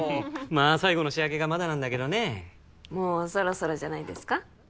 まあ最後の仕上げがまだなんだけどねもうそろそろじゃないですか？